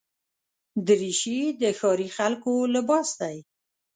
دریشي د ښاري خلکو لباس دی.